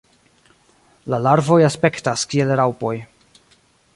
La larvoj aspektas kiel raŭpoj.